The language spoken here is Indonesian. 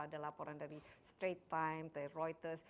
ada laporan dari straight time